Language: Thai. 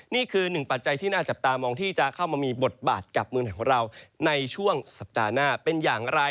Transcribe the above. นี่คือหนึ่งปัจจัยที่น่าจับตามองที่จะเข้ามามีบทบาทกับเมืองไทยของเราในช่วงสัปดาห์หน้าเป็นอย่างไร